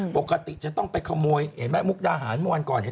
ปกติจะต้องไปขโมยเห็นไหมมุกดาหารเมื่อวันก่อนเนี่ย